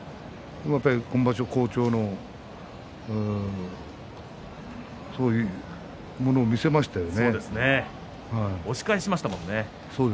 今場所好調のそういうものを押し返しましたもんね。